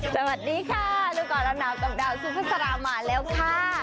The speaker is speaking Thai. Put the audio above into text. สวัสดีค่ะดูก่อนร้อนหนาวกับดาวสุภาษามาแล้วค่ะ